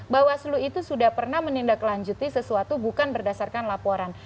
bawaslu itu sudah pernah menindaklanjuti sesuatu bukan berdasarkan laporan